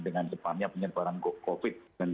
dengan sepertinya penyebaran masyarakat